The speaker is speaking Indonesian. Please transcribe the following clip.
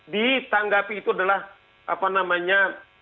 ditanggapi itu adalah apa namanya